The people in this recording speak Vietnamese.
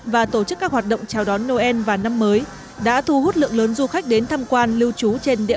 và tổ chức các hoạt động chào đón noel và năm mới đã thu hút lượng lớn du khách đến tham quan lưu trú trên địa